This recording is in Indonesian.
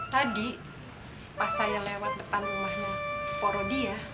tadi pas saya lewat depan rumahnya poro dia